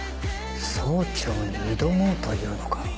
総長に挑もうというのか。